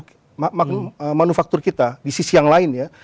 kita merasa bahwa ekspor manufaktur kita di sisi yang lain ya